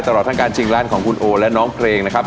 ตลอดทั้งการชิงร้านของคุณโอและน้องเพลงนะครับ